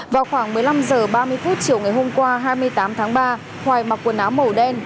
vào khoảng một mươi năm h ba mươi chiều ngày hôm qua hai mươi tám tháng ba hoài mặc quần áo màu đen